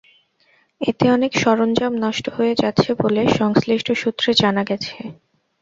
এতে অনেক সরঞ্জাম নষ্ট হয়ে যাচ্ছে বলে সংশ্লিষ্ট সূত্রে জানা গেছে।